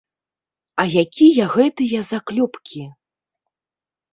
А якія гэтыя заклёпкі?